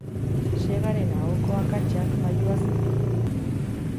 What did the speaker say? Segaren ahoko akatsak mailuaz leundu.